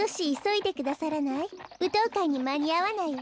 ぶとうかいにまにあわないわ。